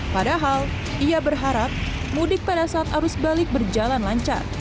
padahal ia berharap mudik pada saat arus balik berjalan lancar